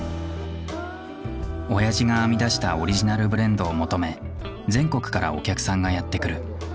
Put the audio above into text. おやじが編み出したオリジナルブレンドを求め全国からお客さんがやって来る。